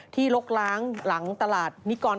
ที่ลกล้างหลังตลาด